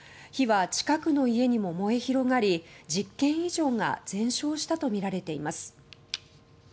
火は近くの家にも燃え広がり１０軒以上が全焼したとみられています。